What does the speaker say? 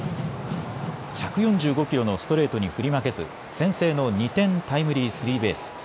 １４５キロのストレートに振り負けず先制の２点タイムリースリーベース。